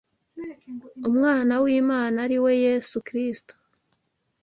Umwana w’Imana ari we Yesu Kristo